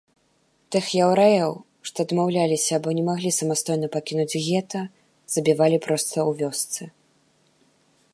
Тых яўрэяў, што адмаўляліся або не маглі самастойна пакінуць гета, забівалі проста ў вёсцы.